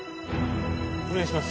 ・お願いします